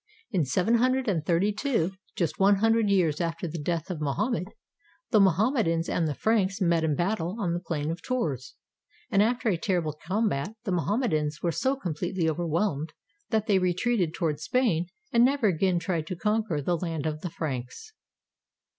In 732, just one hundred years after the death of Moham med, the Mohammedans and the Franks met in battle on the plain of Tours, and after a terrible combat the Mohammedans were so completely overwhelmed that they retreated toward Spain and never again tried to conquer the land of the Franks.